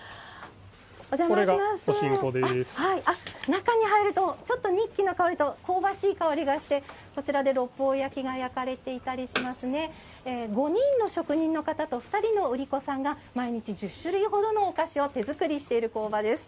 中に入ると、にっきの香りと香ばしい香りがして六方焼が焼かれていたりしますね５人の職人の方と２人の売り子さんが毎日１０種類ほどのお菓子を手作りしている工場です。